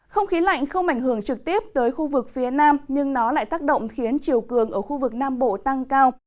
không khí lạnh không ảnh hưởng trực tiếp tới khu vực phía nam nhưng nó lại tác động khiến chiều cường ở khu vực nam bộ tăng cao